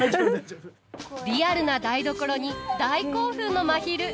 リアルな台所に大興奮のまひる。